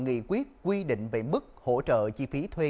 nghị quyết quy định về mức hỗ trợ chi phí thuê